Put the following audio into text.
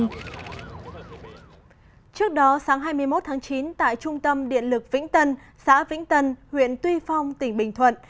trước đó sáng hai mươi một tháng chín tại trung tâm điện lực vĩnh tân xã vĩnh tân huyện tuy phong tỉnh bình thuận